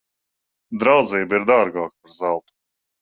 Draudzība ir dārgāka par zeltu.